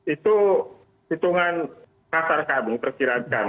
itu hitungan kasar kabung persirat kami